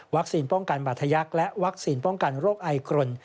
ป้องกันบาธยักษ์และวัคซีนป้องกันโรคไอครน